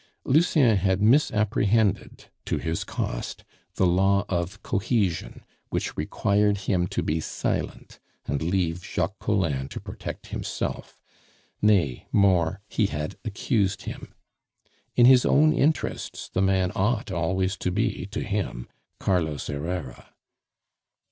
Lucien had misapprehended, to his cost, the law of cohesion, which required him to be silent and leave Jacques Collin to protect himself; nay, more, he had accused him. In his own interests the man ought always to be, to him, Carlos Herrera.